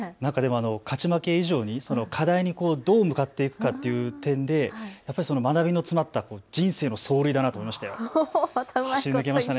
勝ち負け以上に課題にどう向かっていくかという点でやっぱり学びの詰まった人生の走塁だなと思いました。